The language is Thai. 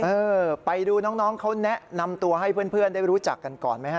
เออไปดูน้องเขาแนะนำตัวให้เพื่อนได้รู้จักกันก่อนไหมฮะ